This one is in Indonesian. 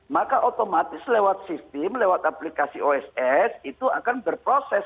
maka otomatis lewat sistem lewat aplikasi oss itu akan berproses